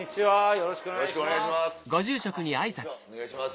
よろしくお願いします。